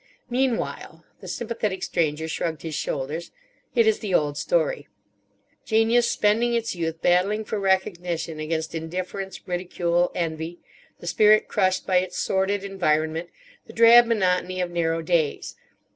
Meanwhile—" the sympathetic Stranger shrugged his shoulders—"it is the old story: genius spending its youth battling for recognition against indifference, ridicule, envy; the spirit crushed by its sordid environment, the drab monotony of narrow days.